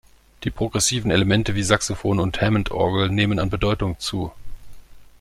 Die progressiven Elemente wie Saxophon und Hammondorgel nehmen an Bedeutung zu.